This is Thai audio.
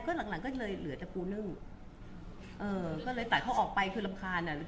ก็หลังหลังก็เลยเหลือแต่ปูนึ่งเออก็เลยตัดเขาออกไปคือรำคาญอ่ะ